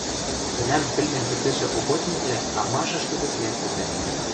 Тӹнӓм кӹлмен пӹтӹшӹ охотниквлӓ амашышты гӹц лӓктӹтӓт